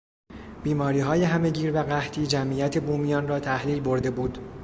بیماریهای همهگیر و قحطی جمعیت بومیان را تحلیل برده بود.